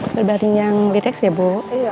berbanding yang litex ya bu